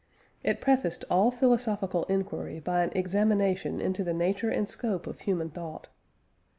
_ It prefaced all philosophical enquiry by an examination into the nature and scope of human thought.